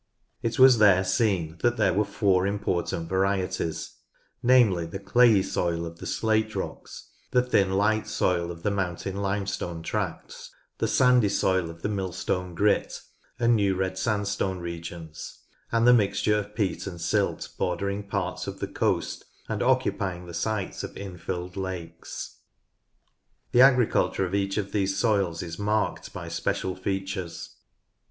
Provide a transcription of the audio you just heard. It was there seen that there were four important varieties, namely the clayey soil of the slate rocks, the thin light soil of the Mountain Limestone tracts, the sandy soil of the Millstone Grit and New Red Sandstone regions, and the mixture of peat and silt bordering parts ot the coast and occupying the sites of infilled lakes. The agriculture of each of these soils is marked by special features.